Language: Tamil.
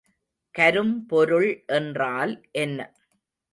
கரும்பொருள் என்றால் என்ன?